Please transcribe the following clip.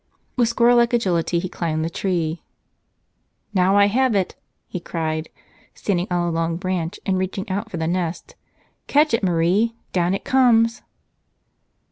With squirrel like agility he climbed the tree. "Now I have it," he cried, standing on a long branch and reaching out for the nest. "Catch it, Marie ! Down it comes